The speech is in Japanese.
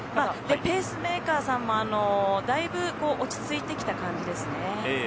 ペースメーカーさんもだいぶ落ち着いてきた感じですね。